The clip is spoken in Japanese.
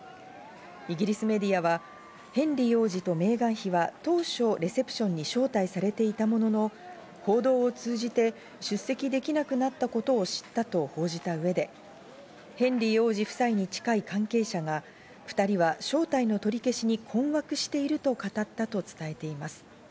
イギリスメディアはヘンリー王子とメーガン妃は当初、レセプションに招待されていたものの、報道を通じて出席できなくなったことを知ったと報じた上で、ヘンリー王子夫妻に近い関係者が２人は招待の取り消しに困惑していると語ったと伝えています。